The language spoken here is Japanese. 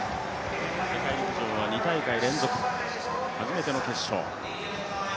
世界陸上は２大会連続、初めての決勝。